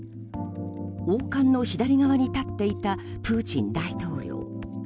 王冠の左側に立っていたプーチン大統領。